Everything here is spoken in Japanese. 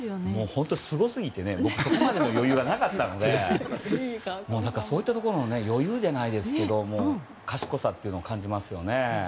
本当にすごすぎてそこまでの余裕はなかったのでそういったところの余裕出ないですけど賢さを感じますね。